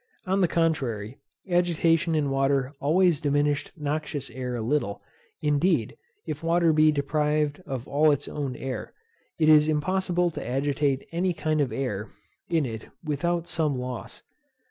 On the contrary, agitation in water always diminished noxious air a little; indeed, if water be deprived of all its own air, it is impossible to agitate any kind of air in it without some loss.